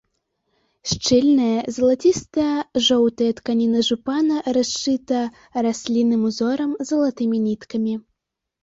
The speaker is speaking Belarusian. Шчыльная, залаціста-жоўтая тканіна жупана расшыта раслінным узорам залатымі ніткамі.